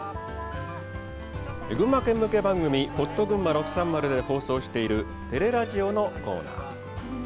群馬県向け番組「ほっとぐんま６３０」で放送している「てれらじお」のコーナー。